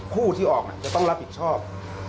คู่ที่ออกจะต้องรับผิดชอบ